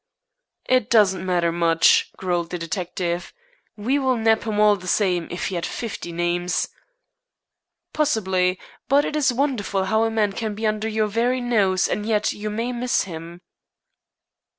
"It doesn't matter much," growled the detective. "We will nab him all the same, if he had fifty names." "Possibly. But it is wonderful how a man may be under your very nose, and yet you may miss him."